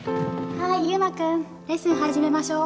はい祐馬くんレッスン始めましょう